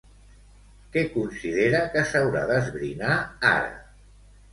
Què considera que s'haurà d'esbrinar ara?